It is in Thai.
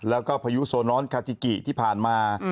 แล้วก็พายุโซนอนคาจิกิที่ผ่านมา